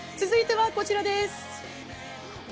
続いては、こちらです。